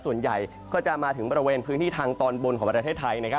ส่วนใหญ่ก็จะมาถึงบริเวณพื้นที่ทางตอนบนของประเทศไทย